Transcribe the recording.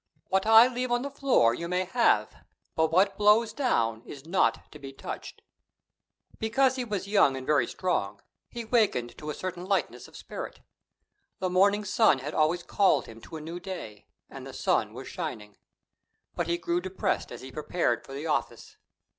What I leave on the floor you may have, but what blows down is not to be touched." Because he was young and very strong, he wakened to a certain lightness of spirit. The morning sun had always called him to a new day, and the sun was shining. But he grew depressed as he prepared for the office.